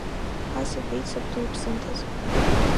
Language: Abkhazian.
Ас иҳәеит сабду иԥсымҭаз…